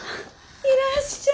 いらっしゃい。